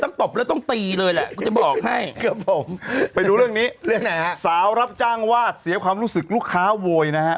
ต้องตบแล้วต้องตีเลยแหละกูจะบอกให้ไปดูเรื่องนี้สาวรับจ้างวาดเสียความรู้สึกลูกค้าโวยนะฮะ